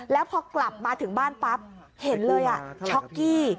แล้วพอกลับมาถึงบ้านปั๊บเห็นเลยช็อกกี้